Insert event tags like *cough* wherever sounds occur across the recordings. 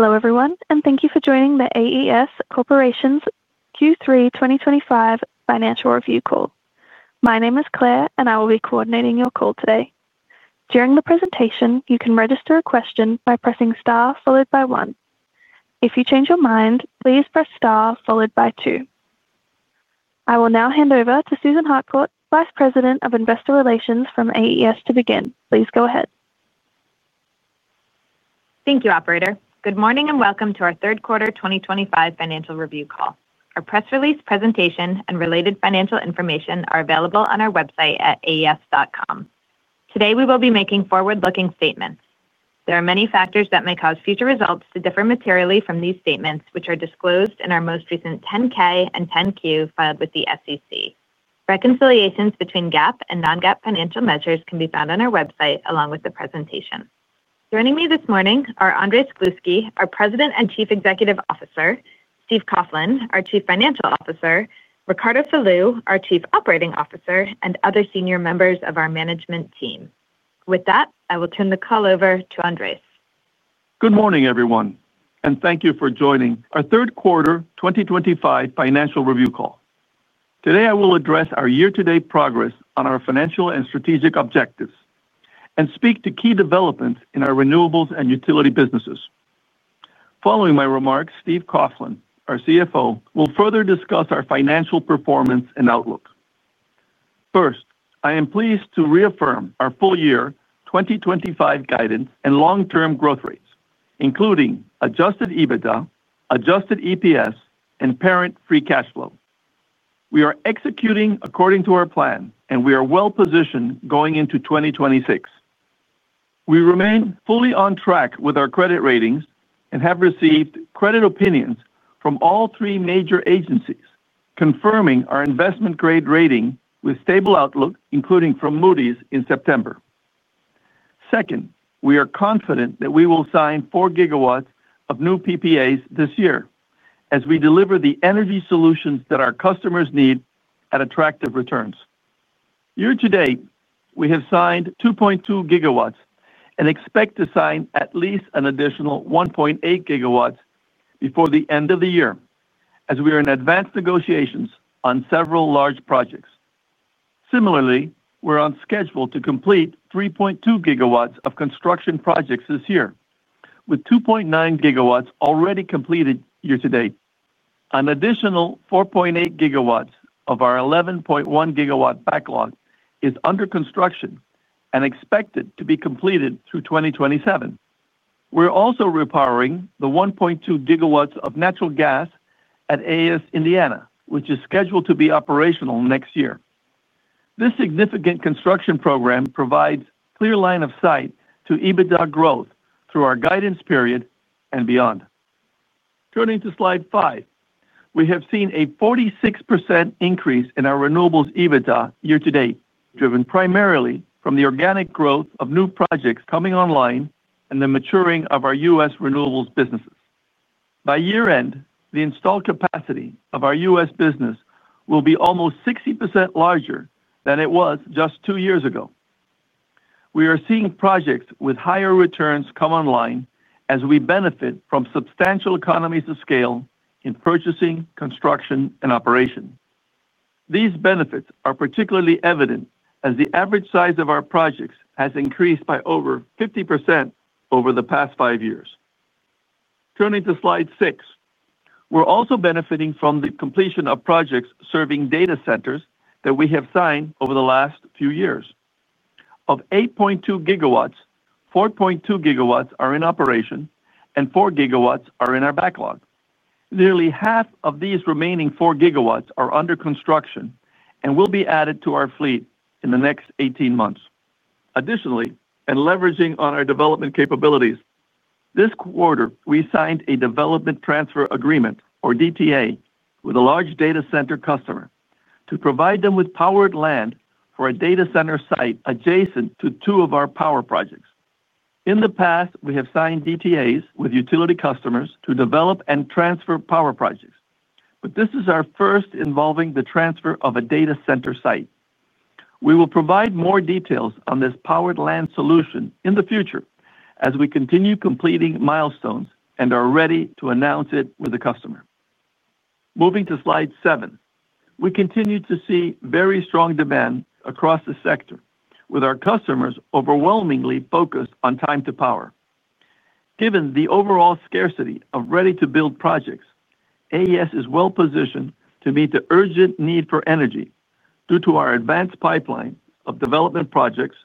Hello everyone, and thank you for joining the AES Corporation's Q3 2025 financial review call. My name is Claire, and I will be coordinating your call today. During the presentation, you can register a question by pressing star followed by one. If you change your mind, please press star followed by two. I will now hand over to Susan Harcourt, Vice President of Investor Relations from AES, to begin. Please go ahead. Thank you, Operator. Good morning and welcome to our third quarter 2025 financial review call. Our press release, presentation, and related financial information are available on our website at aes.com. Today, we will be making forward-looking statements. There are many factors that may cause future results to differ materially from these statements, which are disclosed in our most recent 10-K and 10-Q filed with the SEC. Reconciliations between GAAP and non-GAAP financial measures can be found on our website along with the presentation. Joining me this morning are Andrés Gluski, our President and Chief Executive Officer, Steve Coughlin, our Chief Financial Officer, Ricardo Falú, our Chief Operating Officer, and other senior members of our management team. With that, I will turn the call over to Andrés. Good morning, everyone, and thank you for joining our third quarter 2025 financial review call. Today, I will address our year-to-date progress on our financial and strategic objectives and speak to key developments in our renewables and utility businesses. Following my remarks, Steve Coughlin, our CFO, will further discuss our financial performance and outlook. First, I am pleased to reaffirm our full year 2025 guidance and long-term growth rates, including adjusted EBITDA, adjusted EPS, and parent free cash flow. We are executing according to our plan, and we are well-positioned going into 2026. We remain fully on track with our credit ratings and have received credit opinions from all three major agencies, confirming our investment-grade rating with stable outlook, including from Moody's in September. Second, we are confident that we will sign 4 GW of new PPAs this year as we deliver the energy solutions that our customers need at attractive returns. Year-to-date, we have signed 2.2 GW and expect to sign at least an additional 1.8 GW before the end of the year, as we are in advanced negotiations on several large projects. Similarly, we're on schedule to complete 3.2 GW of construction projects this year, with 2.9 GW already completed year-to-date. An additional 4.8 GW of our 11.1 GW backlog is under construction and expected to be completed through 2027. We're also repowering the 1.2 GW of natural gas at AES Indiana, which is scheduled to be operational next year. This significant construction program provides a clear line of sight to EBITDA growth through our guidance period and beyond. Turning to slide five, we have seen a 46% increase in our renewables EBITDA year-to-date, driven primarily from the organic growth of new projects coming online and the maturing of our U.S. renewables businesses. By year-end, the installed capacity of our U.S. business will be almost 60% larger than it was just two years ago. We are seeing projects with higher returns come online as we benefit from substantial economies of scale in purchasing, construction, and operation. These benefits are particularly evident as the average size of our projects has increased by over 50% over the past five years. Turning to slide six, we're also benefiting from the completion of projects serving data centers that we have signed over the last few years. Of 8.2 GW, 4.2 GW are in operation, and 4 GW are in our backlog. Nearly half of these remaining 4 GW are under construction and will be added to our fleet in the next 18 months. Additionally, and leveraging our development capabilities, this quarter we signed a development transfer agreement, or DTA, with a large data center customer to provide them with powered land for a data center site adjacent to two of our power projects. In the past, we have signed DTAs with utility customers to develop and transfer power projects, but this is our first involving the transfer of a data center site. We will provide more details on this powered land solution in the future as we continue completing milestones and are ready to announce it with the customer. Moving to slide seven, we continue to see very strong demand across the sector, with our customers overwhelmingly focused on time to power. Given the overall scarcity of ready-to-build projects, AES is well-positioned to meet the urgent need for energy due to our advanced pipeline of development projects,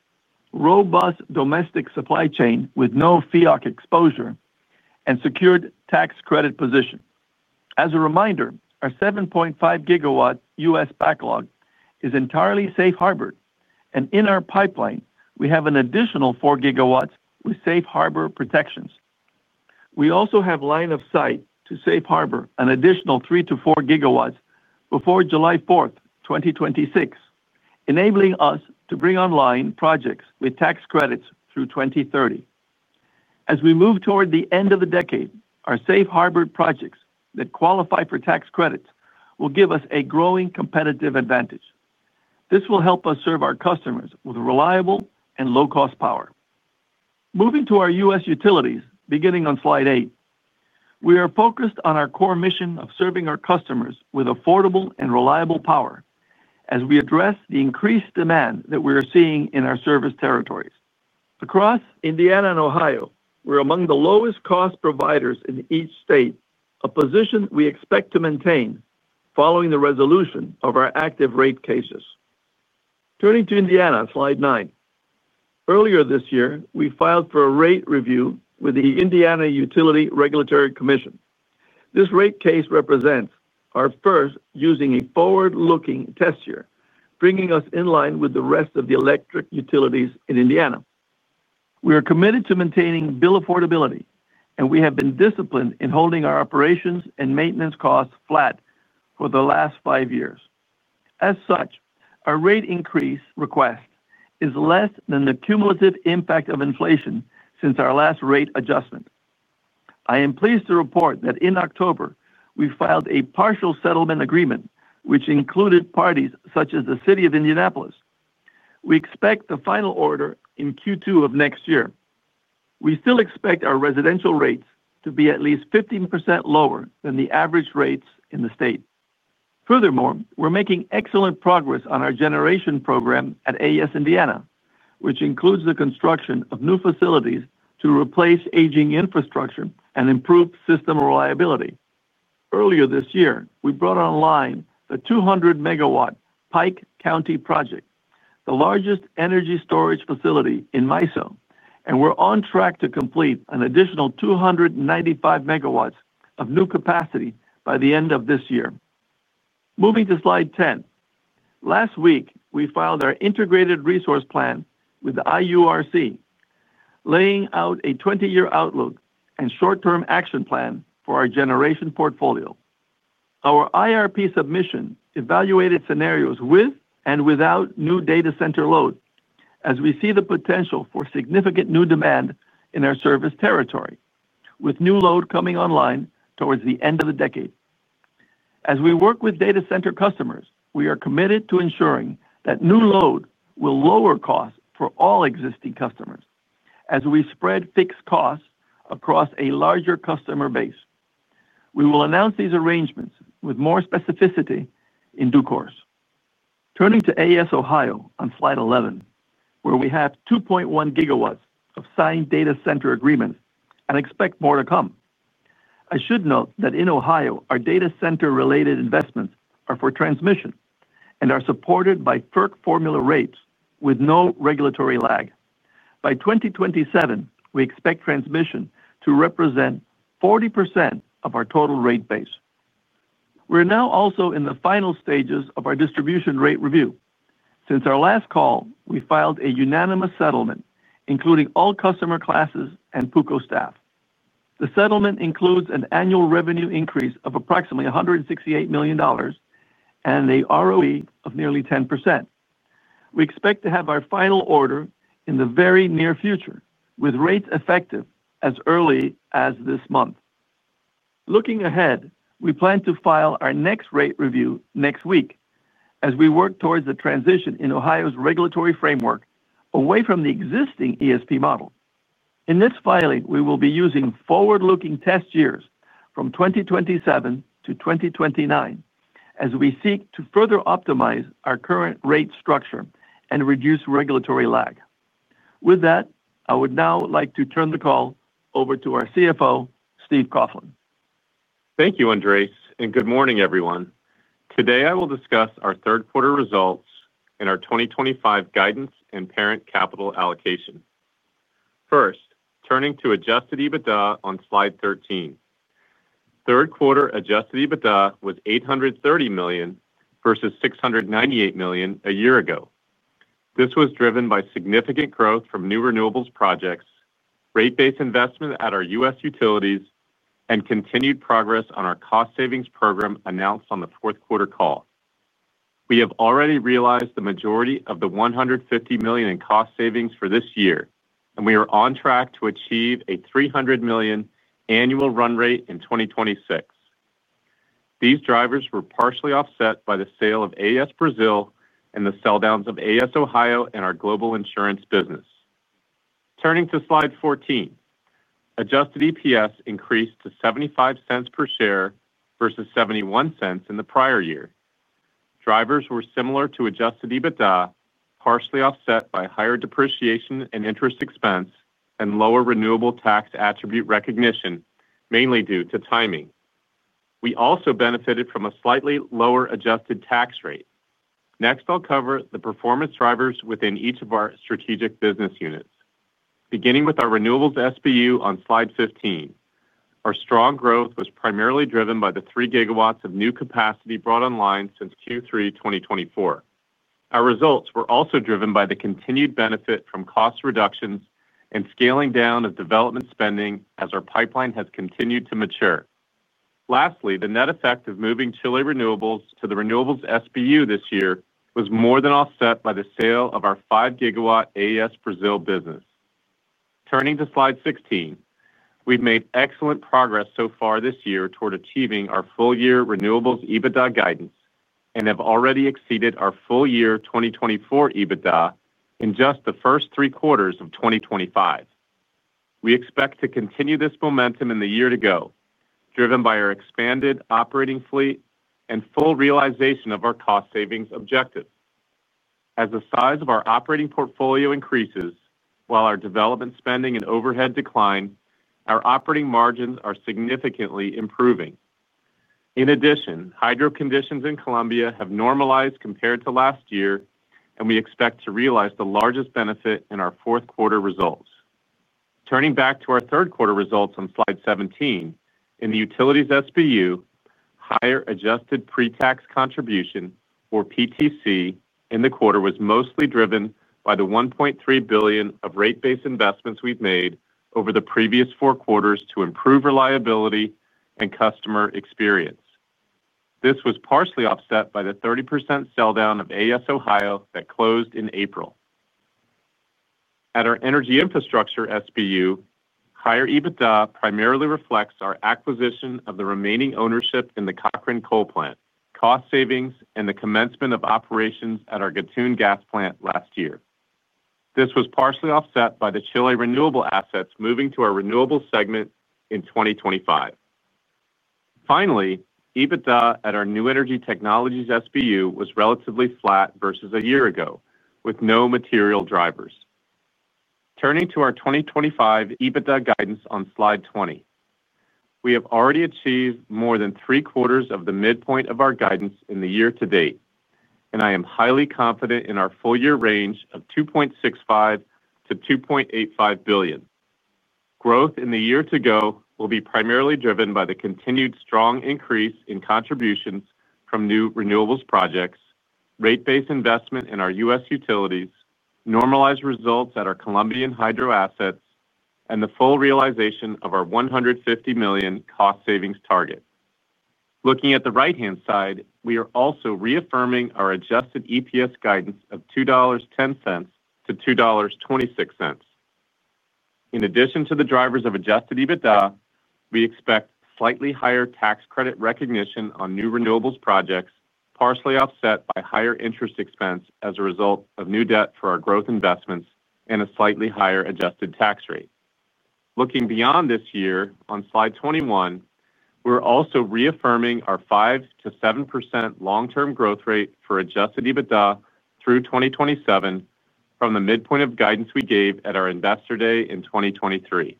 robust domestic supply chain with no fiat exposure, and secured tax credit position. As a reminder, our 7.5 GW U.S. backlog is entirely safe harbored, and in our pipeline, we have an additional 4 GW with safe harbor protections. We also have line of sight to safe harbor an additional 3 GW-4 GW before July 4th, 2026, enabling us to bring online projects with tax credits through 2030. As we move toward the end of the decade, our safe harbor projects that qualify for tax credits will give us a growing competitive advantage. This will help us serve our customers with reliable and low-cost power. Moving to our U.S. Utilities, beginning on slide eight, we are focused on our core mission of serving our customers with affordable and reliable power as we address the increased demand that we are seeing in our service territories. Across Indiana and Ohio, we're among the lowest cost providers in each state, a position we expect to maintain following the resolution of our active rate cases. Turning to Indiana, slide nine. Earlier this year, we filed for a rate review with the Indiana Utility Regulatory Commission. This rate case represents our first using a forward-looking test year, bringing us in line with the rest of the electric utilities in Indiana. We are committed to maintaining bill affordability, and we have been disciplined in holding our operations and maintenance costs flat for the last five years. As such, our rate increase request is less than the cumulative impact of inflation since our last rate adjustment. I am pleased to report that in October, we filed a partial settlement agreement, which included parties such as the City of Indianapolis. We expect the final order in Q2 of next year. We still expect our residential rates to be at least 15% lower than the average rates in the state. Furthermore, we're making excellent progress on our generation program at AES Indiana, which includes the construction of new facilities to replace aging infrastructure and improve system reliability. Earlier this year, we brought online a 200 MW Pike County Project, the largest energy storage facility in MISO, and we're on track to complete an additional 295 MW of new capacity by the end of this year. Moving to slide 10, last week, we filed our Integrated Resource Plan with the IURC. Laying out a 20-year outlook and short-term action plan for our generation portfolio. Our IRP submission evaluated scenarios with and without new data center load as we see the potential for significant new demand in our service territory, with new load coming online towards the end of the decade. As we work with data center customers, we are committed to ensuring that new load will lower costs for all existing customers as we spread fixed costs across a larger customer base. We will announce these arrangements with more specificity in due course. Turning to AES Ohio on slide 11, where we have 2.1 GW of signed data center agreement and expect more to come. I should note that in Ohio, our data center-related investments are for transmission and are supported by FERC formula rates with no regulatory lag. By 2027, we expect transmission to represent 40% of our total rate base. We're now also in the final stages of our distribution rate review. Since our last call, we filed a unanimous settlement, including all customer classes and PUCO staff. The settlement includes an annual revenue increase of approximately $168 million. A ROE of nearly 10%. We expect to have our final order in the very near future, with rates effective as early as this month. Looking ahead, we plan to file our next rate review next week as we work towards a transition in Ohio's regulatory framework away from the existing ESP model. In this filing, we will be using forward-looking test years from 2027-2029 as we seek to further optimize our current rate structure and reduce regulatory lag. With that, I would now like to turn the call over to our CFO, Steve Coughlin. Thank you, Andrés, and good morning, everyone. Today, I will discuss our third quarter results and our 2025 guidance and parent capital allocation. First, turning to adjusted EBITDA on slide 13. Third quarter adjusted EBITDA was $830 million versus $698 million a year ago. This was driven by significant growth from new renewables projects, rate-based investment at our U.S. utilities, and continued progress on our cost savings program announced on the fourth quarter call. We have already realized the majority of the $150 million in cost savings for this year, and we are on track to achieve a $300 million annual run rate in 2026. These drivers were partially offset by the sale of AES Brazil and the sell downs of AES Ohio and our global insurance business. Turning to slide 14. Adjusted EPS increased to $0.75 per share versus $0.71 in the prior year. Drivers were similar to adjusted EBITDA, partially offset by higher depreciation and interest expense and lower renewable tax attribute recognition, mainly due to timing. We also benefited from a slightly lower adjusted tax rate. Next, I'll cover the performance drivers within each of our strategic business units. Beginning with our renewables SBU on slide 15. Our strong growth was primarily driven by the 3 GW of new capacity brought online since Q3 2024. Our results were also driven by the continued benefit from cost reductions and scaling down of development spending as our pipeline has continued to mature. Lastly, the net effect of moving Chile renewables to the renewables SBU this year was more than offset by the sale of our 5 GW AES Brazil business. Turning to slide 16, we've made excellent progress so far this year toward achieving our full year renewables EBITDA guidance and have already exceeded our full year 2024 EBITDA in just the first three quarters of 2025. We expect to continue this momentum in the year to go, driven by our expanded operating fleet and full realization of our cost savings objective. As the size of our operating portfolio increases while our development spending and overhead decline, our operating margins are significantly improving. In addition, hydro conditions in Colombia have normalized compared to last year, and we expect to realize the largest benefit in our fourth quarter results. Turning back to our third quarter results on slide 17, in the utilities SBU, higher adjusted Pre-Tax Contribution, or PTC, in the quarter was mostly driven by the $1.3 billion of rate-based investments we have made over the previous four quarters to improve reliability and customer experience. This was partially offset by the 30% sell down of AES Ohio that closed in April. At our energy infrastructure SBU, higher EBITDA primarily reflects our acquisition of the remaining ownership in the Cochrane Coal Plant, cost savings, and the commencement of operations at our Gatun Gas Plant last year. This was partially offset by the Chile renewable assets moving to our renewable segment in 2025. Finally, EBITDA at our new energy technologies SBU was relatively flat versus a year ago, with no material drivers. Turning to our 2025 EBITDA guidance on slide 20, we have already achieved more than 3/4 of the midpoint of our guidance in the year to date, and I am highly confident in our full year range of $2.65 billion-$2.85 billion. Growth in the year to go will be primarily driven by the continued strong increase in contributions from new renewables projects, rate-based investment in our U.S. utilities, normalized results at our Colombian hydro assets, and the full realization of our $150 million cost savings target. Looking at the right-hand side, we are also reaffirming our adjusted EPS guidance of $2.10-$2.26. In addition to the drivers of adjusted EBITDA, we expect slightly higher tax credit recognition on new renewables projects, partially offset by higher interest expense as a result of new debt for our growth investments and a slightly higher adjusted tax rate. Looking beyond this year, on slide 21, we're also reaffirming our 5%-7% long-term growth rate for adjusted EBITDA through 2027 from the midpoint of guidance we gave at our investor day in 2023.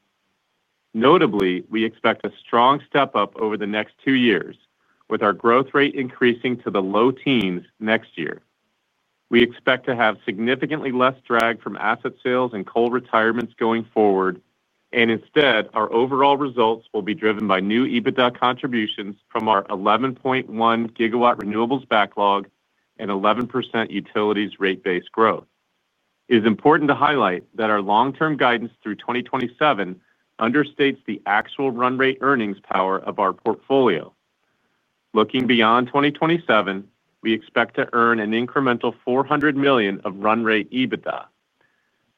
Notably, we expect a strong step up over the next two years, with our growth rate increasing to the low teens next year. We expect to have significantly less drag from asset sales and coal retirements going forward, and instead, our overall results will be driven by new EBITDA contributions from our 11.1 GW renewables backlog and 11% utilities rate-based growth. It is important to highlight that our long-term guidance through 2027 understates the actual run rate earnings power of our portfolio. Looking beyond 2027, we expect to earn an incremental $400 million of run rate EBITDA.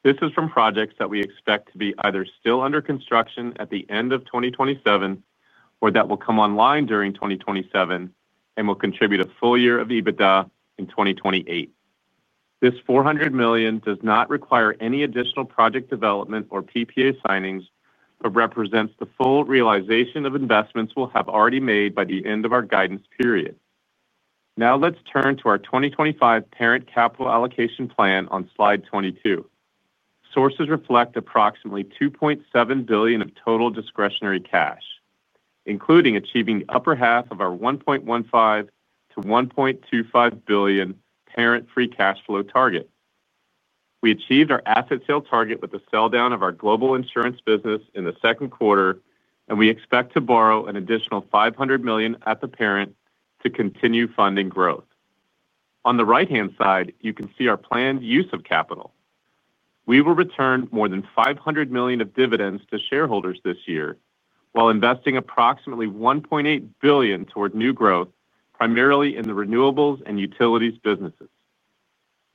This is from projects that we expect to be either still under construction at the end of 2027 or that will come online during 2027 and will contribute a full year of EBITDA in 2028. This $400 million does not require any additional project development or PPA signings, but represents the full realization of investments we'll have already made by the end of our guidance period. Now let's turn to our 2025 parent capital allocation plan on slide 22. Sources reflect approximately $2.7 billion of total discretionary cash, including achieving the upper half of our $1.15 billion-$1.25 billion parent free cash flow target. We achieved our asset sale target with the sell down of our global insurance business in the second quarter, and we expect to borrow an additional $500 million at the parent to continue funding growth. On the right-hand side, you can see our planned use of capital. We will return more than $500 million of dividends to shareholders this year while investing approximately $1.8 billion toward new growth, primarily in the renewables and utilities businesses.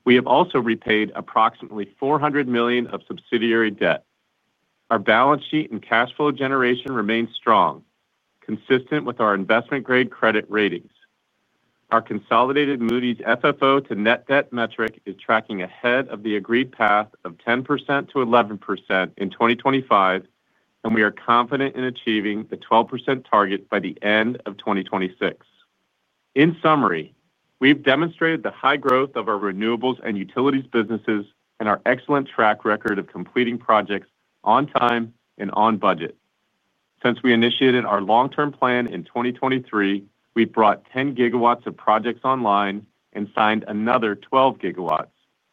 We have also repaid approximately $400 million of subsidiary debt. Our balance sheet and cash flow generation remains strong, consistent with our investment grade credit ratings. Our consolidated Moody's FFO to net debt metric is tracking ahead of the agreed path of 10%-11% in 2025, and we are confident in achieving the 12% target by the end of 2026. In summary, we've demonstrated the high growth of our renewables and utilities businesses and our excellent track record of completing projects on time and on budget. Since we initiated our long-term plan in 2023, we brought 10 GW of projects online and signed another 12 GW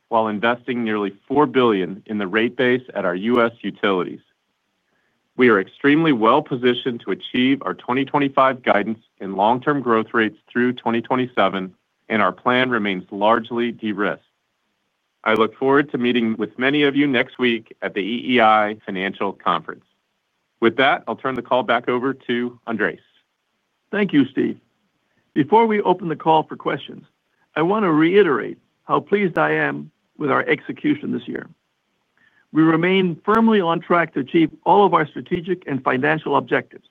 while investing nearly $4 billion in the rate base at our U.S. utilities. We are extremely well positioned to achieve our 2025 guidance in long-term growth rates through 2027, and our plan remains largely de-risked. I look forward to meeting with many of you next week at the EEI Financial Conference. With that, I'll turn the call back over to Andrés. Thank you, Steve. Before we open the call for questions, I want to reiterate how pleased I am with our execution this year. We remain firmly on track to achieve all of our strategic and financial objectives,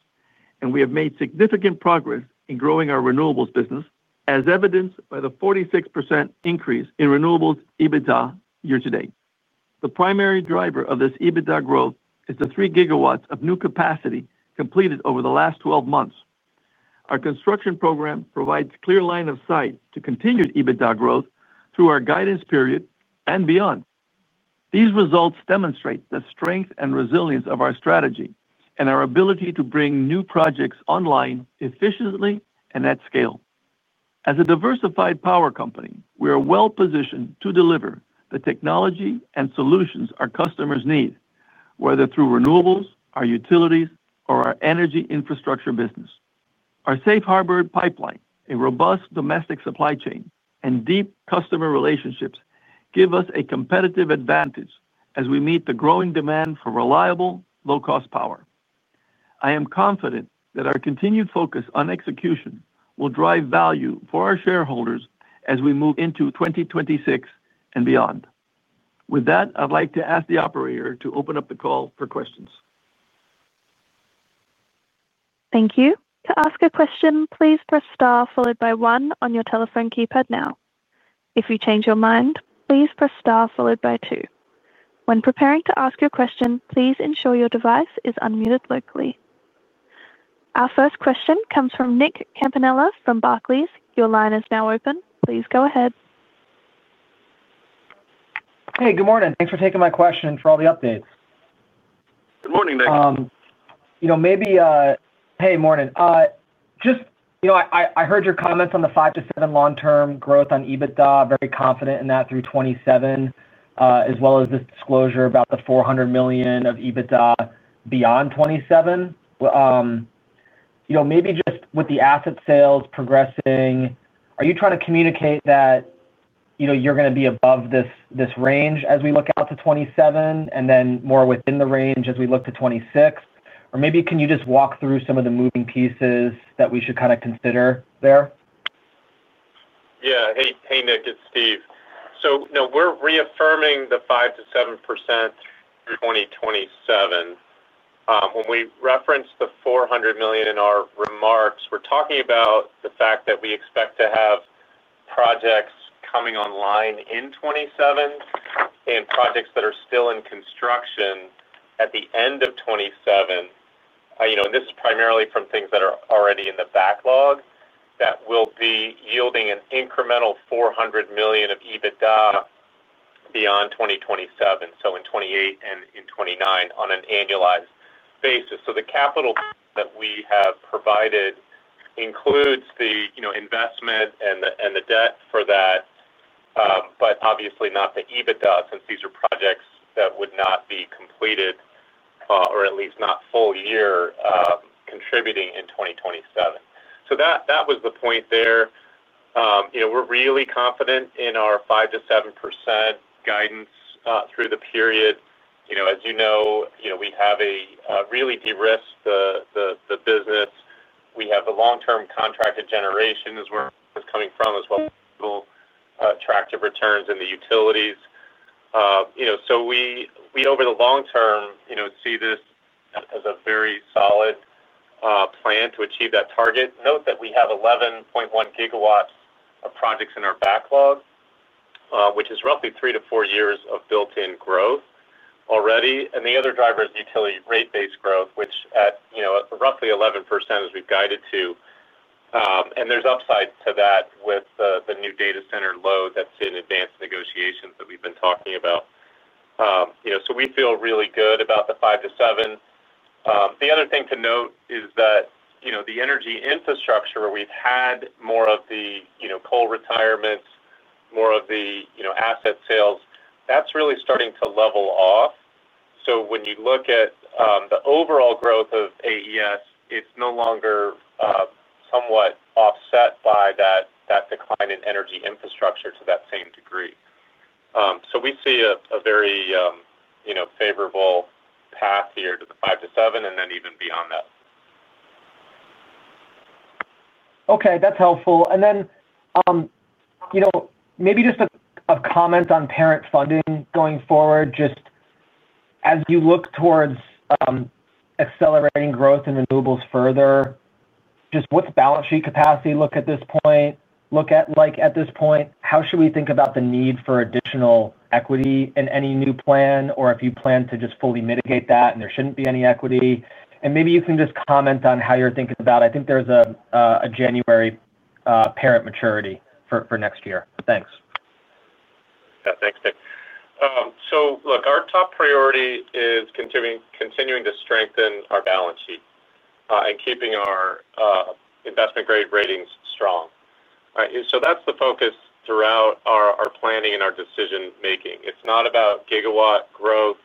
and we have made significant progress in growing our renewables business, as evidenced by the 46% increase in renewables EBITDA year to date. The primary driver of this EBITDA growth is the 3 GW of new capacity completed over the last 12 months. Our construction program provides a clear line of sight to continued EBITDA growth through our guidance period and beyond. These results demonstrate the strength and resilience of our strategy and our ability to bring new projects online efficiently and at scale. As a diversified power company, we are well positioned to deliver the technology and solutions our customers need, whether through renewables, our utilities, or our energy infrastructure business. Our Safe Harbor pipeline, a robust domestic supply chain, and deep customer relationships give us a competitive advantage as we meet the growing demand for reliable, low-cost power. I am confident that our continued focus on execution will drive value for our shareholders as we move into 2026 and beyond. With that, I'd like to ask the operator to open up the call for questions. Thank you. To ask a question, please press star followed by one on your telephone keypad now. If you change your mind, please press star followed by two. When preparing to ask your question, please ensure your device is unmuted locally. Our first question comes from Nick Campanella from Barclays. Your line is now open. Please go ahead. Hey, good morning. Thanks for taking my question and for all the updates. Good morning, Nick. You know, maybe, hey, morning. Just, you know, I heard your comments on the 5%-7% long-term growth on EBITDA, very confident in that through 2027, as well as this disclosure about the $400 million of EBITDA beyond 2027. You know, maybe just with the asset sales progressing, are you trying to communicate that, you know, you're going to be above this range as we look out to 2027 and then more within the range as we look to 2026? Or maybe can you just walk through some of the moving pieces that we should kind of consider there? Thank you, Nick. It's Steve. No, we're reaffirming the 5%-7%. In 2027, when we referenced the $400 million in our remarks, we're talking about the fact that we expect to have projects coming online in 2027 and projects that are still in construction at the end of 2027. You know, and this is primarily from things that are already in the backlog that will be yielding an incremental $400 million of EBITDA beyond 2027, so in 2028 and in 2029 on an annualized basis. The capital that we have provided includes the, you know, investment and the debt for that, but obviously not the EBITDA since these are projects that would not be completed, or at least not full year, contributing in 2027. That was the point there. You know, we're really confident in our 5%-7% guidance, through the period. You know, as you know, we have really de-risked the business. We have the long-term contracted generation is where it's coming from as well as the attractive returns in the utilities. You know, we over the long term, you know, see this as a very solid plan to achieve that target. Note that we have 11.1 GW of projects in our backlog, which is roughly three to four years of built-in growth already. The other driver is utility rate-based growth, which at roughly 11% as we've guided to, and there's upside to that with the new data center load that's in advanced negotiations that we've been talking about. You know, we feel really good about the 5%-7%. The other thing to note is that, you know, the energy infrastructure where we've had more of the, you know, coal retirements, more of the, you know, asset sales, that's really starting to level off. When you look at the overall growth of AES, it's no longer somewhat offset by that decline in energy infrastructure to that same degree. We see a very, you know, favorable path here to the five to seven and then even beyond that. Okay, that's helpful. You know, maybe just a comment on parent funding going forward. As you look towards accelerating growth in renewables further, just what's balance sheet capacity look at this point? At this point, how should we think about the need for additional equity in any new plan, or if you plan to just fully mitigate that and there shouldn't be any equity? Maybe you can just comment on how you're thinking about it. I think there's a January parent maturity for next year. Thanks. Yeah, thanks, Nick. Look, our top priority is continuing to strengthen our balance sheet, and keeping our investment grade ratings strong. All right, that's the focus throughout our planning and our decision making. It's not about GW growth,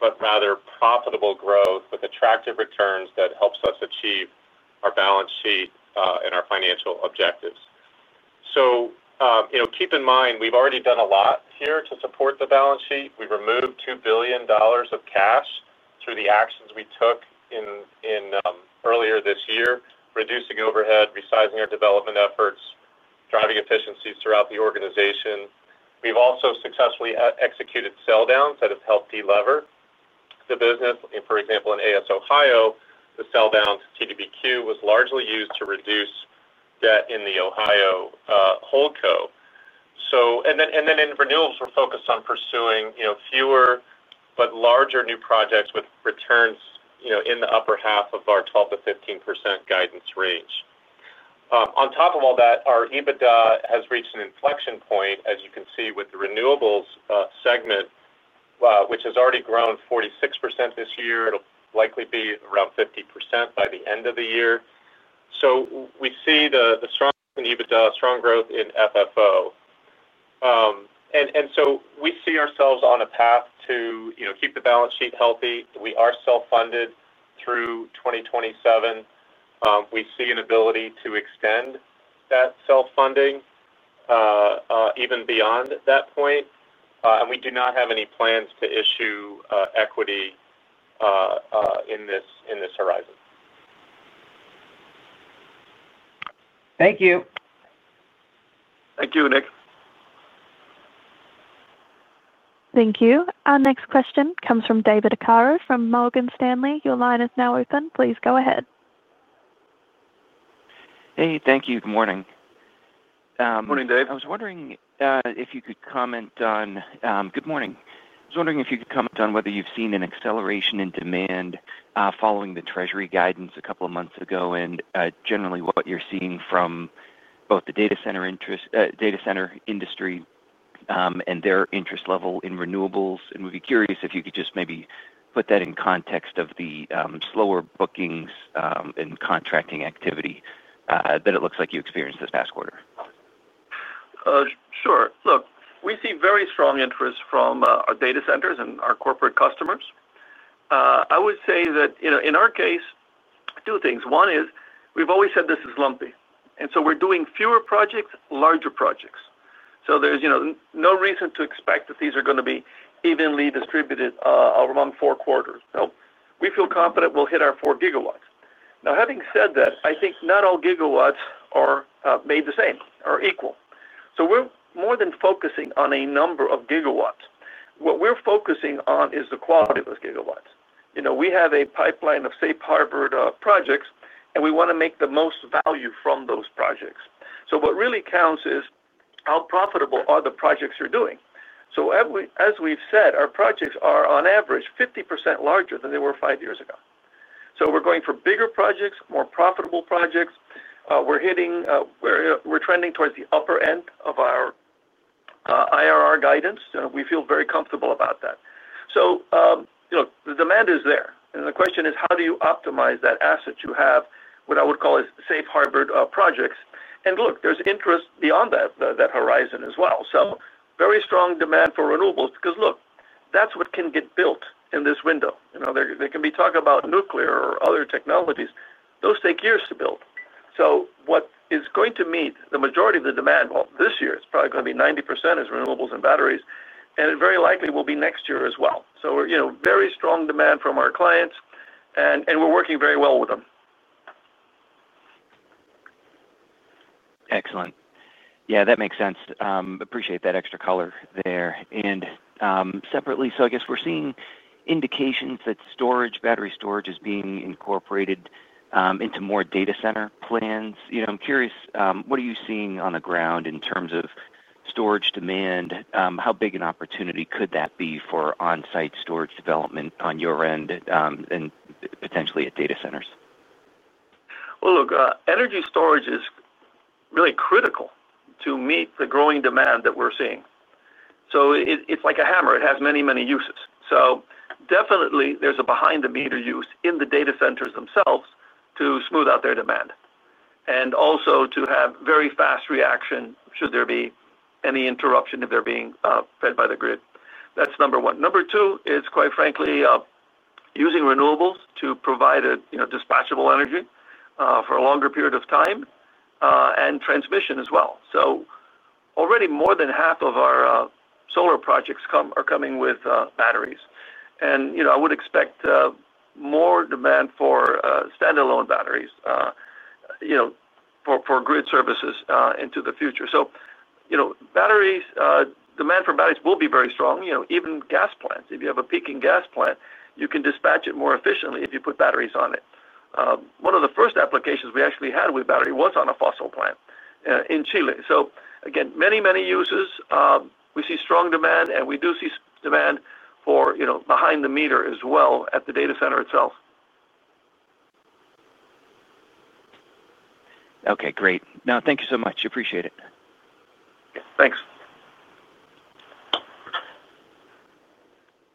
but rather profitable growth with attractive returns that helps us achieve our balance sheet and our financial objectives. You know, keep in mind we've already done a lot here to support the balance sheet. We removed $2 billion of cash through the actions we took earlier this year, reducing overhead, resizing our development efforts, driving efficiencies throughout the organization. We've also successfully executed sell downs that have helped delever the business. For example, in AES Ohio, the sell down to CDPQ was largely used to reduce debt in the Ohio Holdco. In renewables, we're focused on pursuing, you know, fewer but larger new projects with returns, you know, in the upper half of our 12%-15% guidance range. On top of all that, our EBITDA has reached an inflection point, as you can see with the renewables segment, which has already grown 46% this year. It'll likely be around 50% by the end of the year. We see the strong EBITDA, strong growth in FFO, and we see ourselves on a path to, you know, keep the balance sheet healthy. We are self-funded through 2027. We see an ability to extend that self-funding even beyond that point, and we do not have any plans to issue equity in this horizon. Thank you. Thank you, Nick. Thank you. Our next question comes from David Arcaro from Morgan Stanley. Your line is now open. Please go ahead. Hey, thank you. Good morning. Good morning, Dave. I was wondering, if you could comment on, good morning. I was wondering if you could comment on whether you've seen an acceleration in demand, following the Treasury guidance a couple of months ago, and generally what you're seeing from both the data center interest, data center industry, and their interest level in renewables. We'd be curious if you could just maybe put that in context of the slower bookings and contracting activity that it looks like you experienced this past quarter. Sure. Look, we see very strong interest from, our data centers and our corporate customers. I would say that, you know, in our case, two things. One is we've always said this is lumpy, and so we're doing fewer projects, larger projects. There is, you know, no reason to expect that these are going to be evenly distributed, around four quarters. We feel confident we'll hit our 4 GW. Now, having said that, I think not all GW are, made the same or equal. We are more than focusing on a number of GW. What we're focusing on is the quality of those GW. You know, we have a pipeline of safe harbor, projects, and we want to make the most value from those projects. What really counts is how profitable are the projects you're doing. As we have said, our projects are on average 50% larger than they were five years ago. We are going for bigger projects, more profitable projects. We are trending towards the upper end of our IRR guidance. You know, we feel very comfortable about that. You know, the demand is there. The question is, how do you optimize that asset you have, what I would call as safe harbor projects? Look, there is interest beyond that horizon as well. Very strong demand for renewables because, look, that is what can get built in this window. There can be talk about nuclear or other technologies. Those take years to build. What is going to meet the majority of the demand, this year it's probably going to be 90% is renewables and batteries, and it very likely will be next year as well. We're, you know, very strong demand from our clients, and we're working very well with them. Excellent. Yeah, that makes sense. I appreciate that extra color there. Separately, I guess we're seeing indications that storage, battery storage, is being incorporated into more data center plans. You know, I'm curious, what are you seeing on the ground in terms of storage demand? How big an opportunity could that be for on-site storage development on your end, and potentially at data centers? Energy storage is really critical to meet the growing demand that we're seeing. It is like a hammer. It has many, many uses. Definitely, there is a behind-the-meter use in the data centers themselves to smooth out their demand and also to have very fast reaction should there be any interruption if they're being fed by the grid. That is number one. Number two is, quite frankly, using renewables to provide a, you know, dispatchable energy for a longer period of time, and transmission as well. Already, more than half of our solar projects are coming with batteries. I would expect more demand for standalone batteries, you know, for grid services, into the future. Batteries, demand for batteries will be very strong. You know, even gas plants, if you have a peaking gas plant, you can dispatch it more efficiently if you put batteries on it. One of the first applications we actually had with battery was on a fossil plant, in Chile. So again, many, many uses. We see strong demand, and we do see demand for, you know, behind the meter as well at the data center itself. Okay, great. No, thank you so much. Appreciate it. Yeah, thanks.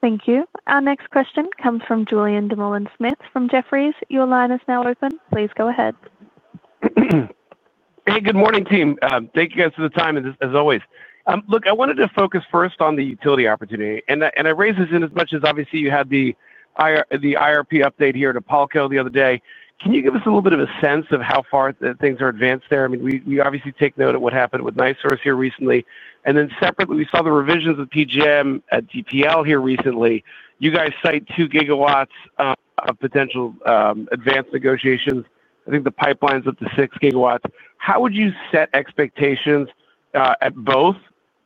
Thank you. Our next question comes from Julien Dumoulin-Smith from Jefferies. Your line is now open. Please go ahead. Hey, good morning, team. Thank you guys for the time, as always. Look, I wanted to focus first on the utility opportunity. I raised this in as much as obviously you had the IRP update here to IPALCO the other day. Can you give us a little bit of a sense of how far that things are advanced there? I mean, we obviously take note of what happened with NiSource here recently. Separately, we saw the revisions of PJM at DPL here recently. You guys cite 2 GW of potential, advanced negotiations. I think the pipeline's up to 6 GW. How would you set expectations, both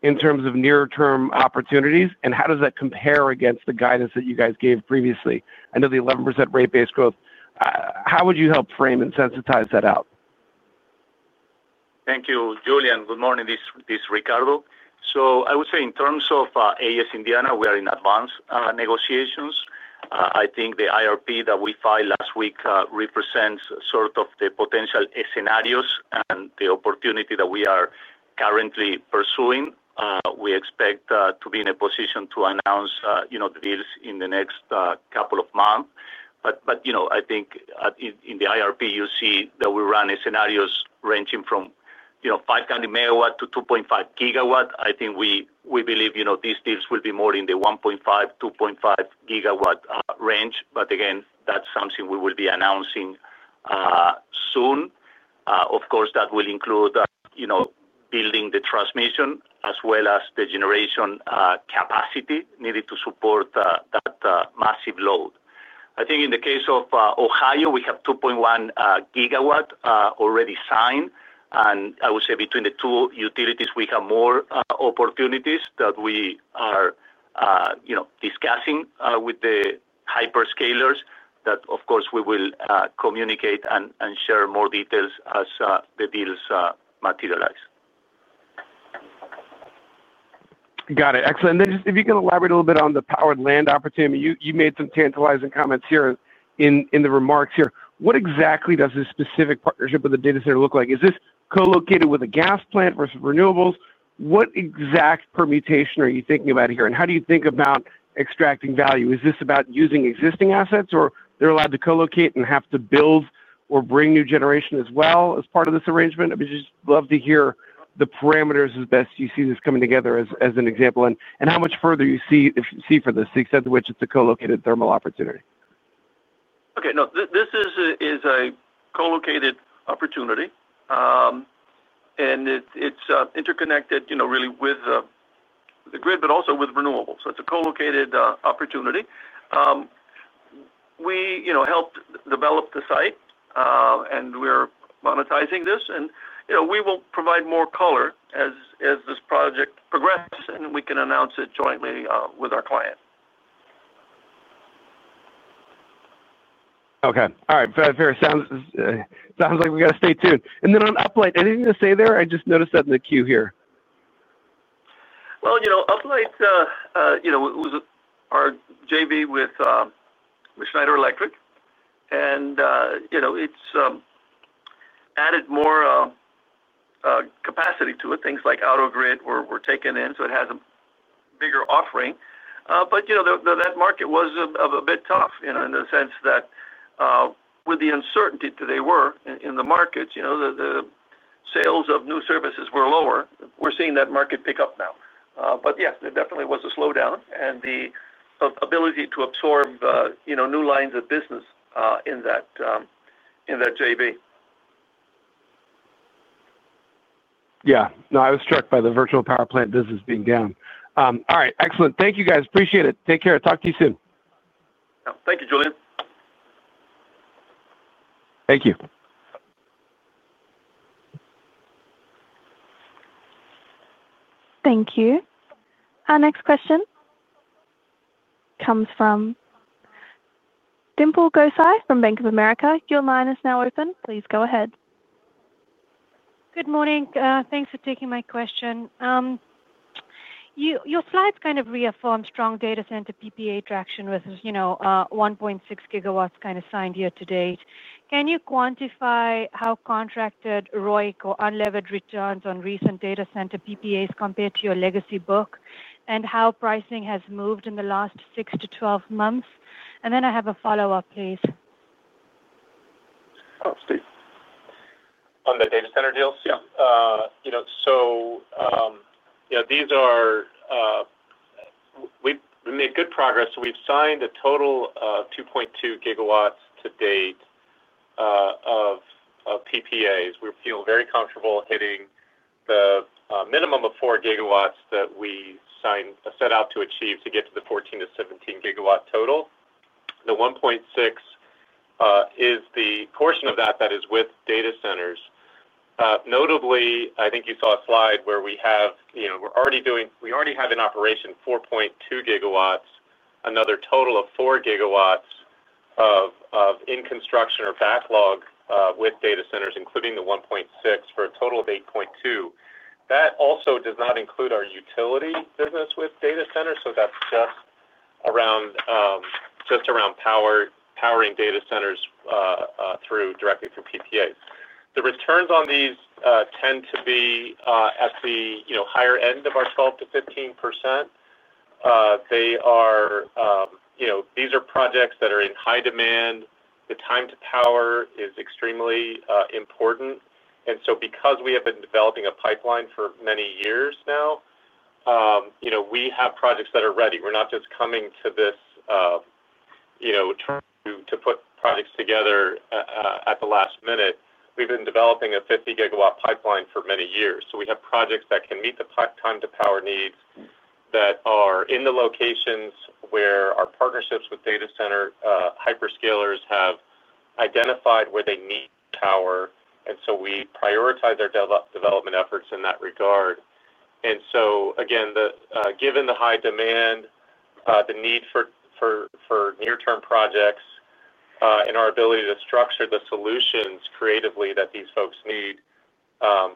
in terms of near-term opportunities, and how does that compare against the guidance that you guys gave previously into the 11% rate-based growth? How would you help frame and sensitize that out? Thank you, Julien. Good morning. This is Ricardo. I would say in terms of AES Indiana, we are in advance negotiations. I think the IRP that we filed last week represents sort of the potential scenarios and the opportunity that we are currently pursuing. We expect to be in a position to announce, you know, the deals in the next couple of months. You know, I think in the IRP, you see that we run scenarios ranging from, you know, 520 MW-2.5 GW. I think we believe, you know, these deals will be more in the 1.5 GW-2.5 GW range. Again, that's something we will be announcing soon. Of course, that will include, you know, building the transmission as well as the generation capacity needed to support that massive load. I think in the case of Ohio, we have 2.1 GW already signed. I would say between the two utilities, we have more opportunities that we are, you know, discussing with the hyperscalers that, of course, we will communicate and share more details as the deals materialize. Got it. Excellent. If you can elaborate a little bit on the powered land opportunity, I mean, you made some tantalizing comments here in the remarks. What exactly does this specific partnership with the data center look like? Is this co-located with a gas plant versus renewables? What exact permutation are you thinking about here? How do you think about extracting value? Is this about using existing assets or are they allowed to co-locate and have to build or bring new generation as well as part of this arrangement? I mean, just love to hear the parameters as best you see this coming together as an example, and how much further you see, if you see for this, the extent to which it is a co-located thermal opportunity. Okay. No, this is a co-located opportunity, and it's interconnected, you know, really with the grid, but also with renewables. So it's a co-located opportunity. We, you know, helped develop the site, and we're monetizing this. You know, we will provide more color as this project progresses, and we can announce it jointly with our client. Okay. All right. Fair, fair. Sounds like we gotta stay tuned. On Uplight, anything to say there? I just noticed that in the queue here. Uplight, you know, it was our JV with Schneider Electric. It added more capacity to it. Things like AutoGrid were taken in, so it has a bigger offering. You know, though that market was a bit tough, in the sense that with the uncertainty that they were in, in the markets, the sales of new services were lower. We are seeing that market pick up now. Yes, there definitely was a slowdown in the ability to absorb new lines of business in that JV. Yeah. No, I was struck by the virtual power plant business being down. All right. Excellent. Thank you guys. Appreciate it. Take care. Talk to you soon. Yeah. Thank you, Julien. Thank you. Thank you. Our next question comes from Dimple Gosai from Bank of America. Your line is now open. Please go ahead. Good morning. Thanks for taking my question. You, your slides kind of reaffirm strong data center PPA traction with, you know, 1.6 GW kind of signed year to date. Can you quantify how contracted ROIC or unlevered returns on recent data center PPAs compared to your legacy book and how pricing has moved in the last 6-12 months? I have a follow-up, please. Oh, Steve. On the data center deals? Yeah. You know, so, you know, these are, we made good progress. We have signed a total 2.2 GW to date of PPAs. We feel very comfortable hitting the minimum of 4 GW that we set out to achieve to get to the 14 GW-17 GW total. The 1.6 is the portion of that that is with data centers. Notably, I think you saw a slide where we have, you know, we are already doing, we already have in operation 4.2 GW, another total of 4 GW in construction or backlog, with data centers, including the 1.6 for a total of 8.2. That also does not include our utility business with data centers. So that is just around, just around powering data centers directly through PPAs. The returns on these tend to be at the higher end of our 12%-15%. They are, you know, these are projects that are in high demand. The time to power is extremely important. And because we have been developing a pipeline for many years now, you know, we have projects that are ready. We're not just coming to this, you know, return to put projects together at the last minute. We've been developing a 50 GW pipeline for many years. So we have projects that can meet the pipeline time to power needs that are in the locations where our partnerships with data center hyperscalers have identified where they need power. And we prioritize our development efforts in that regard. Again, given the high demand, the need for near-term projects, and our ability to structure the solutions creatively that these folks need,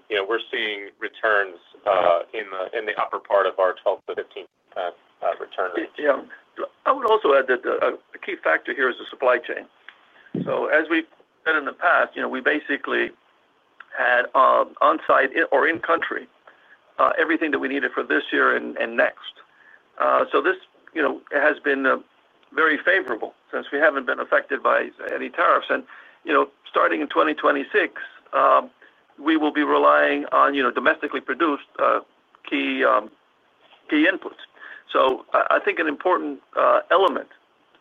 you know, we're seeing returns in the upper part of our 12%-15% returns. Yeah. I would also add that a key factor here is the supply chain. As we've said in the past, you know, we basically had on-site or in-country everything that we needed for this year and next. This has been very favorable since we haven't been affected by any tariffs. You know, starting in 2026, we will be relying on domestically produced key inputs. I think an important element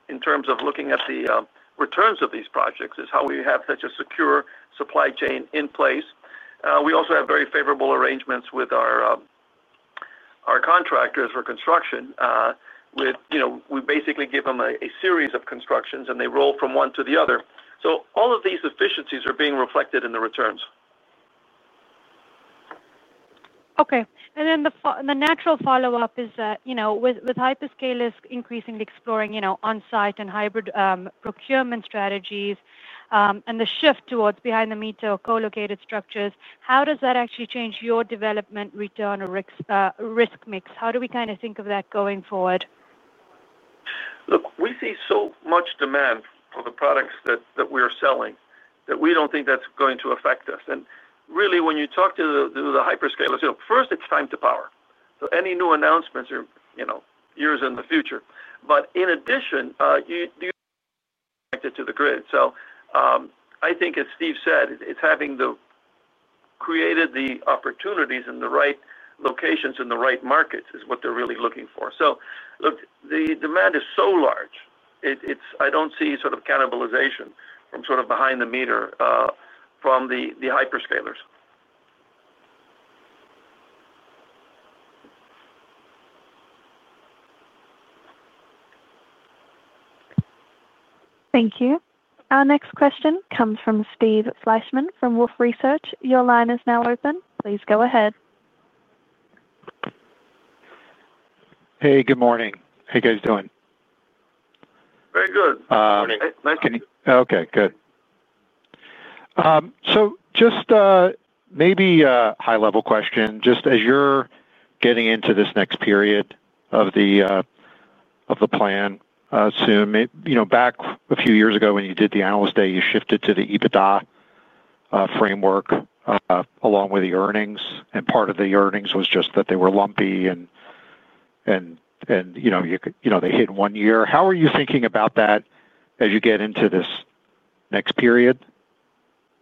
in terms of looking at the returns of these projects is how we have such a secure supply chain in place. We also have very favorable arrangements with our contractors for construction, with, you know, we basically give them a series of constructions and they roll from one to the other. All of these efficiencies are being reflected in the returns. Okay. The natural follow-up is that, you know, with hyperscalers increasingly exploring, you know, on-site and hybrid procurement strategies, and the shift towards behind-the-meter or co-located structures, how does that actually change your development, return, or risk mix? How do we kind of think of that going forward? Look, we see so much demand for the products that we are selling that we do not think that is going to affect us. Really, when you talk to the hyperscalers, you know, first it is time to power. Any new announcements are years in the future. In addition, you do need to be connected to the grid. I think as Steve said, it is having the opportunities created in the right locations in the right markets that they are really looking for. Look, the demand is so large, I do not see sort of cannibalization and sort of behind-the-meter from the hyperscalers. Thank you. Our next question comes from Steve Fleishman from Wolfe Research. Your line is now open. Please go ahead. Hey, good morning. How you guys doing? Very good. Morning. Good morning. Okay. Good. Just, maybe a high-level question. Just as you're getting into this next period of the, of the plan, soon, maybe, you know, back a few years ago when you did the analyst day, you shifted to the EBITDA framework, along with the earnings. And part of the earnings was just that they were lumpy. And, and, you know, you, you know, they hit one year. How are you thinking about that as you get into this next period?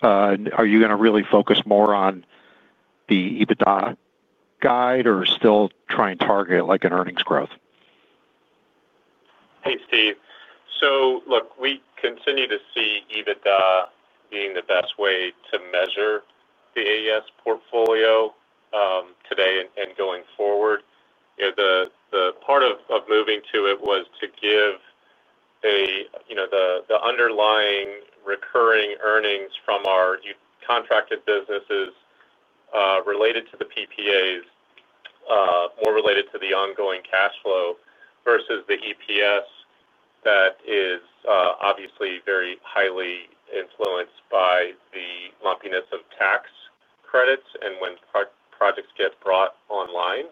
Are you gonna really focus more on the EBITDA guide or still try and target it like an earnings growth? Hey, Steve. Look, we continue to see EBITDA being the best way to measure the AES portfolio, today and going forward. You know, the part of moving to it was to give a, you know, the underlying recurring earnings from our contracted businesses, related to the PPAs, more related to the ongoing cash flow versus the EPS that is obviously very highly influenced by the lumpiness of tax credits and when projects get brought online.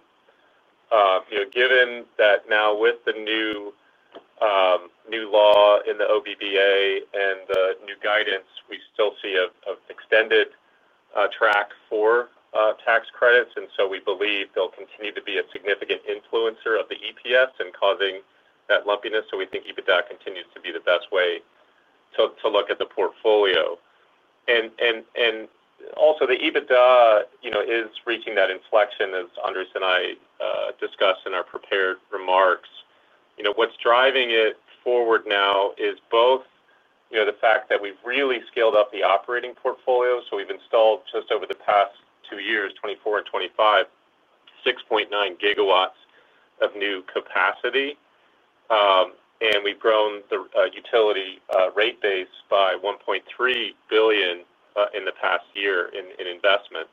You know, given that now with the new law in the OBBA and the new guidance, we still see an extended track for tax credits. We believe they'll continue to be a significant influencer of the EPS and causing that lumpiness. We think EBITDA continues to be the best way to look at the portfolio. Also, the EBITDA, you know, is reaching that inflection, as Andrés and I discussed in our prepared remarks. You know, what's driving it forward now is both, you know, the fact that we've really scaled up the operating portfolio. So we've installed just over the past two years, 2024 and 2025, 6.9 GW of new capacity. And we've grown the utility rate base by $1.3 billion in the past year in investment.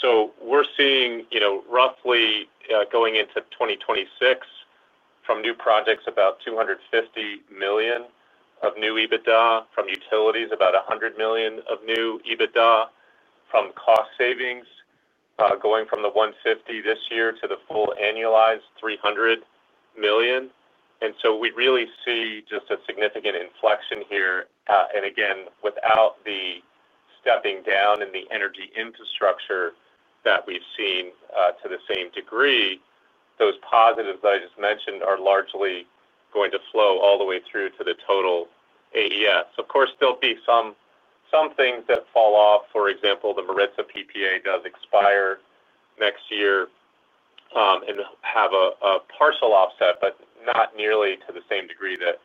So we're seeing, you know, roughly, going into 2026, from new projects, about $250 million of new EBITDA, from utilities, about $100 million of new EBITDA, from cost savings, going from the $150 million this year to the full annualized $300 million. And so we really see just a significant inflection here. Again, without the. Stepping down in the energy infrastructure that we've seen, to the same degree, those positives that I just mentioned are largely going to flow all the way through to the total AES. Of course, there'll be some things that fall off. For example, the Maritza PPA does expire next year, and have a partial offset, but not nearly to the same degree that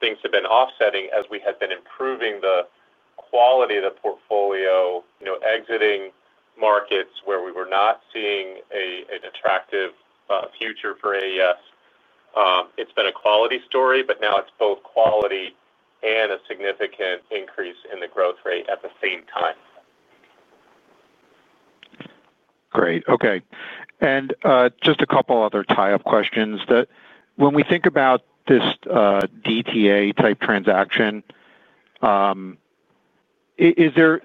things have been offsetting as we had been improving the quality of the portfolio, you know, exiting markets where we were not seeing an attractive future for AES. It's been a quality story, but now it's both quality and a significant increase in the growth rate at the same time. Great. Okay. Just a couple other tie-up questions. When we think about this DTA type transaction, is there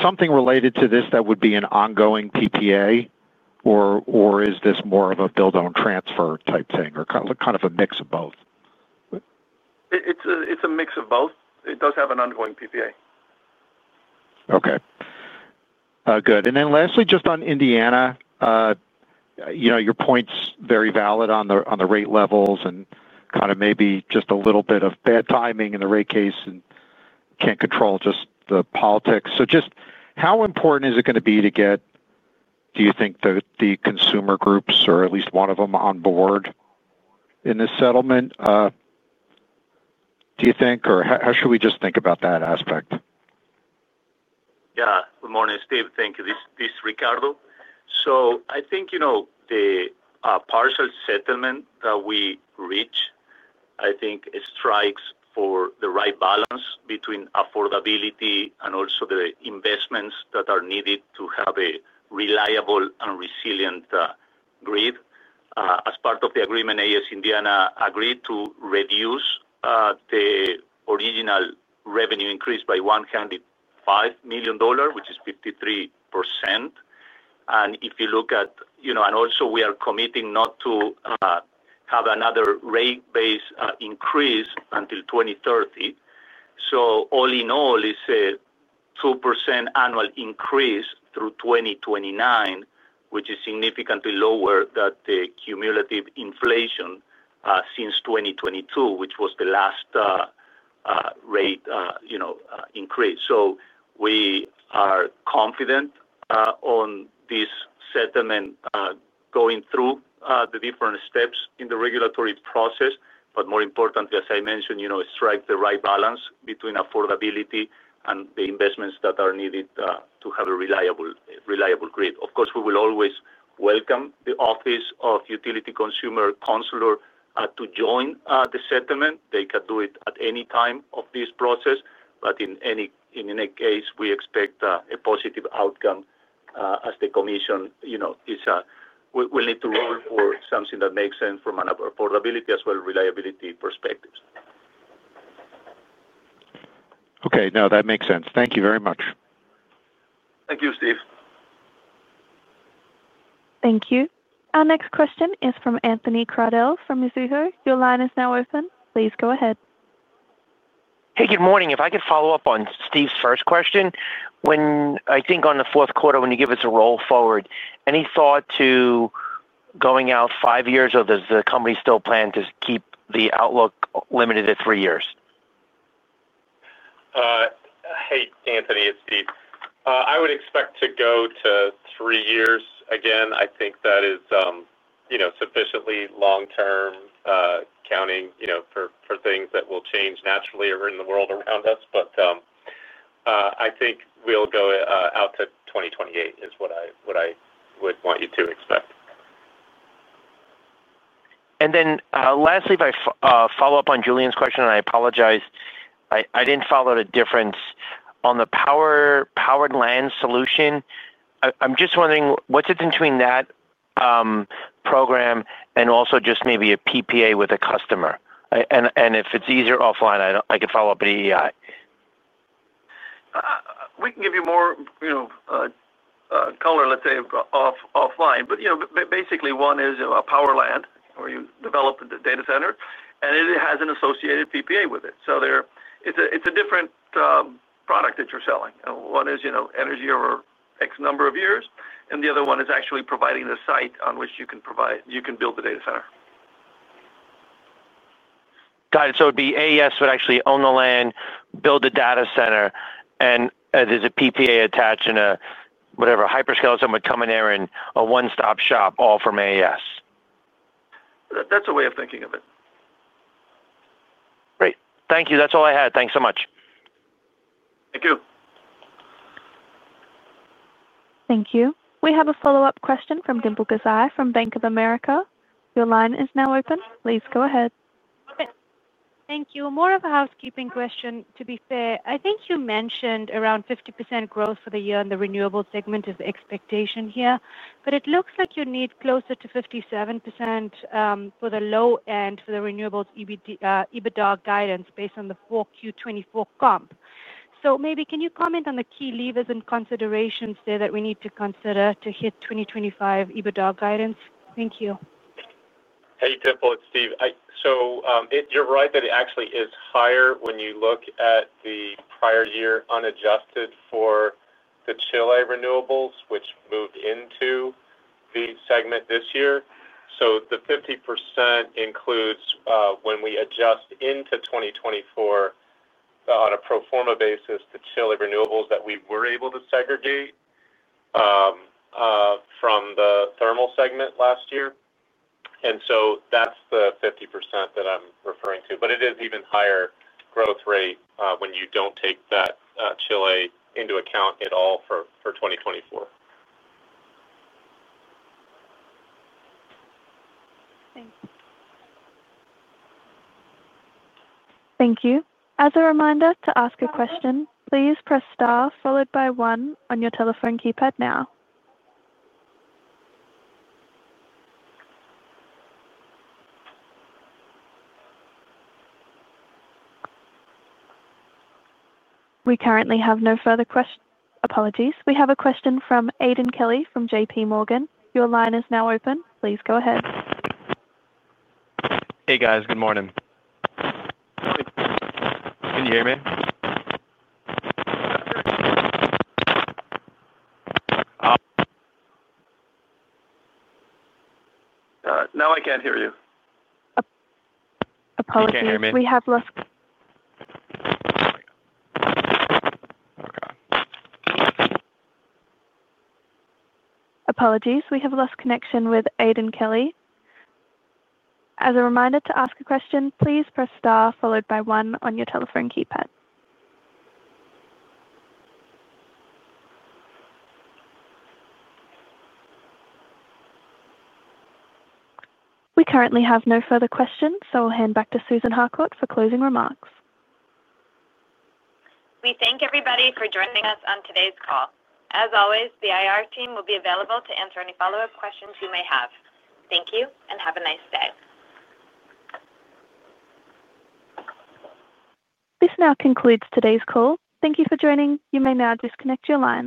something related to this that would be an ongoing PPA, or is this more of a build-on transfer type thing, or kind of a mix of both? It's a mix of both. It does have an ongoing PPA. Okay. Good. And then lastly, just on Indiana, you know, your point's very valid on the, on the rate levels and kind of maybe just a little bit of bad timing in the rate case and can't control just the politics. So just how important is it gonna be to get, do you think, the, the consumer groups or at least one of them on board? In this settlement, do you think, or how, how should we just think about that aspect? Yeah. Good morning, Steve. Thank you. This is Ricardo. So I think, you know, the partial settlement that we reach, I think, strikes for the right balance between affordability and also the investments that are needed to have a reliable and resilient grid. As part of the agreement, AES Indiana agreed to reduce the original revenue increase by $105 million, which is 53%. If you look at, you know, and also we are committing not to have another rate base increase until 2030. All in all, it is a 2% annual increase through 2029, which is significantly lower than the cumulative inflation since 2022, which was the last rate, you know, increase. We are confident on this settlement going through the different steps in the regulatory process. More importantly, as I mentioned, you know, it strikes the right balance between affordability and the investments that are needed to have a reliable, reliable grid. Of course, we will always welcome the Office of Utility Consumer Counselor to join the settlement. They could do it at any time of this process. In any case, we expect a positive outcome, as the commission, you know, is, we need to roll for something that makes sense from an affordability as well as reliability perspectives. Okay. No, that makes sense. Thank you very much. Thank you, Steve. Thank you. Our next question is from Anthony Crowdell from Mizuho. Your line is now open. Please go ahead. Hey, good morning. If I could follow up on Steve's first question, when I think on the fourth quarter, when you give us a roll forward, any thought to going out five years or does the company still plan to keep the outlook limited to three years? Hey, Anthony, it's Steve. I would expect to go to three years. Again, I think that is, you know, sufficiently long-term, counting, you know, for things that will change naturally around the world around us. I think we'll go out to 2028 is what I would want you to expect. Lastly, if I follow up on Julien's question, and I apologize, I didn't follow the difference on the power-powered land solution. I'm just wondering, what's the difference between that program and also just maybe a PPA with a customer? If it's easier offline, I could follow up with EEI. We can give you more, you know, color, let's say, offline. You know, basically one is a power land where you develop the data center and it has an associated PPA with it. There, it's a different product that you're selling. One is, you know, energy over X number of years, and the other one is actually providing the site on which you can build the data center. Got it. So it'd be AES would actually own the land, build the data center, and there's a PPA attached and a whatever, a hyperscaler or someone coming there and a one-stop shop all from AES. That's a way of thinking of it. Great. Thank you. That's all I had. Thanks so much. Thank you. Thank you. We have a follow-up question from Dimple Gosai from Bank of America. Your line is now open. Please go ahead. Thank you. More of a housekeeping question, to be fair. I think you mentioned around 50% growth for the year in the renewable segment is the expectation here, but it looks like you need closer to 57% for the low end for the renewables EBITDA guidance based on the 4Q 2024 comp. So maybe can you comment on the key levers and considerations there that we need to consider to hit 2025 EBITDA guidance? Thank you. Hey, Dimple, it's Steve. You're right that it actually is higher when you look at the prior year unadjusted for the Chile renewables, which moved into the segment this year. The 50% includes, when we adjust into 2024, on a pro forma basis, the Chile renewables that we were able to segregate from the thermal segment last year. That's the 50% that I'm referring to. It is even higher growth rate when you do not take that Chile into account at all for 2024. Thank you. As a reminder, to ask a question, please press star followed by one on your telephone keypad now. We currently have no further questions. Apologies. We have a question from Aiden Kelly from JPMorgan. Your line is now open. Please go ahead. Hey guys. Good morning. Now I can't hear you. Apologies. You can't hear me? *audio distortion* We have lost. Apologies, we have lost connection with Aiden Kelly. As a reminder to ask a question, please press star followed by one on your telephone keypad. We currently have no further questions, so I'll hand back to Susan Harcourt for closing remarks. We thank everybody for joining us on today's call. As always, the IR team will be available to answer any follow-up questions you may have. Thank you. This now concludes today's call. Thank you for joining. You may now disconnect your line.